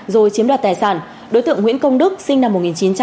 rồi chiếm đoạt tài sản đối tượng nguyễn công đức sinh năm một nghìn chín trăm tám mươi